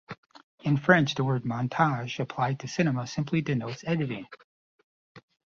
In French the word "montage" applied to cinema simply denotes editing.